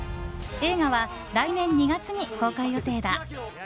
映画は、来年２月に公開予定だ。